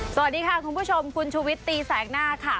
สวัสดีค่ะคุณผู้ชมคุณชูวิตตีแสกหน้าค่ะ